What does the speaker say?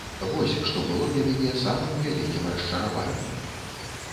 Вось, што было для мяне самым вялікім расчараваннем.